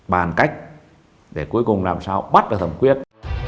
bàn cách để cuối cùng làm sao bắt được thẩm quyết